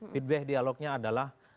feedback dialognya adalah